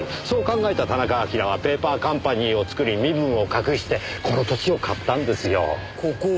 そう考えた田中晶はペーパーカンパニーを作り身分を隠してこの土地を買ったんですよ。